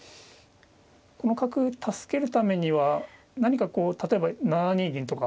この角を助けるためには何かこう例えば７二銀とか。